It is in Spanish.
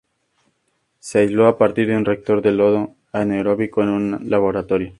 Se aisló a partir de un reactor de lodo anaeróbico en un laboratorio.